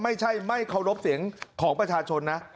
ไม่ใช่ไม่เคารพเสียงของประชาชนนะ